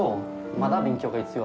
まだ勉強が必要。